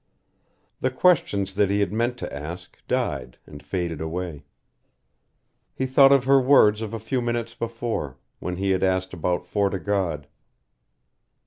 The questions that he had meant to ask died and faded away. He thought of her words of a few minutes before, when he had asked about Fort o' God.